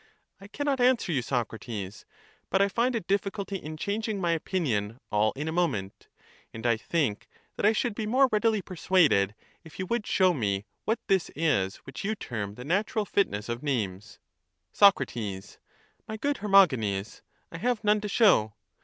I cannot answer you, Socrates ; but I find a difficulty in changing my opinion all in a moment, and I think that I should be more readily persuaded, if you would show me what this is which you term the natural fitness of names. Soc. My good Hermogenes, I have none to show.